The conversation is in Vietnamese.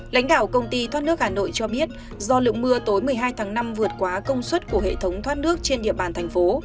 lãnh đạo công ty thoát nước hà nội cho biết do lượng mưa tối một mươi hai tháng năm vượt quá công suất của hệ thống thoát nước trên địa bàn thành phố